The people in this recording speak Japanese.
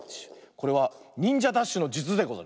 これはにんじゃダッシュのじゅつでござる。